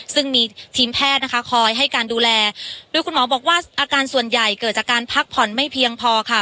ซึ่งมีทีมแพทย์นะคะคอยให้การดูแลโดยคุณหมอบอกว่าอาการส่วนใหญ่เกิดจากการพักผ่อนไม่เพียงพอค่ะ